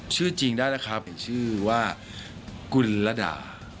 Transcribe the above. ชื่อจริงได้นะครับหรือชื่อว่ากุลระดา